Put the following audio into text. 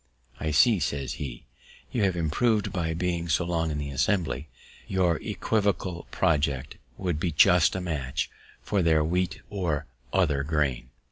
"I see," says he, "you have improv'd by being so long in the Assembly; your equivocal project would be just a match for their wheat or other grain."